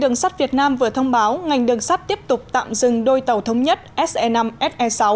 đường sắt việt nam vừa thông báo ngành đường sắt tiếp tục tạm dừng đôi tàu thống nhất se năm se sáu